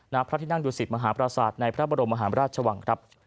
ณพระที่นั่งดูสิตมหาปราศาสตร์ในพระบรมมหาราชวังครับ